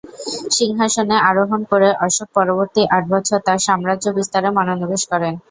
সিংহাসনে আরোহণ করে অশোক পরবর্তী আট বছর তার সাম্রাজ্য বিস্তারে মনোনিবেশ করেন।